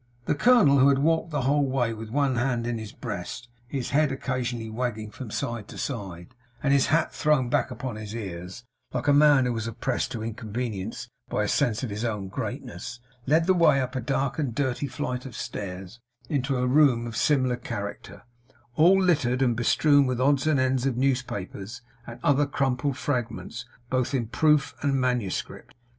The colonel, who had walked the whole way with one hand in his breast, his head occasionally wagging from side to side, and his hat thrown back upon his ears, like a man who was oppressed to inconvenience by a sense of his own greatness, led the way up a dark and dirty flight of stairs into a room of similar character, all littered and bestrewn with odds and ends of newspapers and other crumpled fragments, both in proof and manuscript.